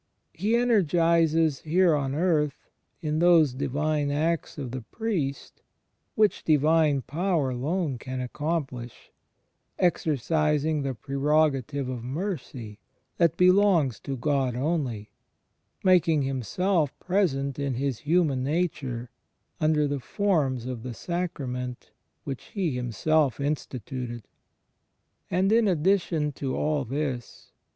He energizes here on earth, in those Divine acts of the priest which Divine Power alone can accomplish, exercising the prerogative of mercy that belongs to God only, making Himself present in His Human Nature under the forms of the Sacrament which He Himself instituted. And, in addition to all this.